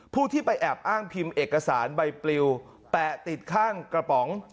ผู้ที่ไปแอบอ้างพิมพ์เอกสารใบปลิวแปะติดข้างกระป๋อง